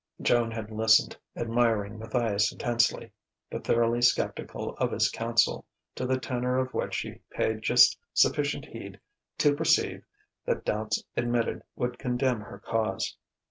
Joan had listened, admiring Matthias intensely, but thoroughly sceptical of his counsel, to the tenor of which she paid just sufficient heed to perceive that doubts admitted would condemn her cause.